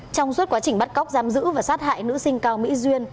trong suốt quá trình bắt cóc giam giữ và sát hại nữ sinh cao mỹ duyên